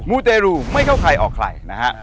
ูเตรูไม่เข้าใครออกใครนะฮะ